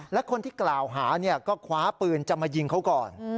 และคนที่กล่าวหาก็คว้าปืนจะมายิงเขาก่อน